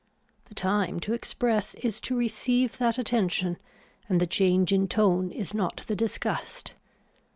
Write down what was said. The time to express is to receive that attention and the change in tone is not the disgust.